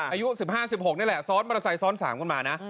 อายุ๑๕๑๖นี่แหละซ้อนมอเตอร์ไซค์ซ้อน๓กันมานะ